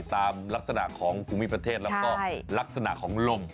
ตามลักษณะของภูมิประเทศแล้วก็ลักษณะของลม